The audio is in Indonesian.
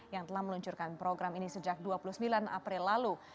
yang telah meluncurkan program ini sejak dua puluh sembilan april lalu